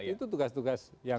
itu tugas tugas yang